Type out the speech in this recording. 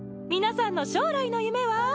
皆さんの将来の夢は？